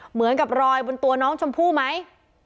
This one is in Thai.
เหมือนกับรอยบนตัวน้องชมพู่ไหม